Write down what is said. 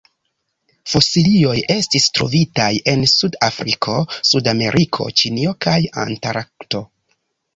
Fosilioj estis trovitaj en Sud-Afriko, Sudameriko, Ĉinio kaj Antarkto.